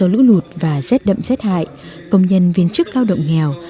lũ lụt và rét đậm rét hại công nhân viên chức lao động nghèo